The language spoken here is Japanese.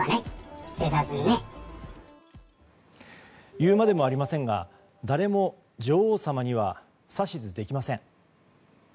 言うまでもありませんが誰も女王様には指図できません。